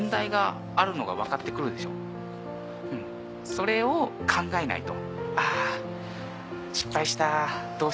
それを考えないと。